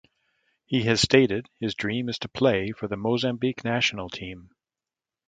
He has stated his dream is to play for the Mozambique national team.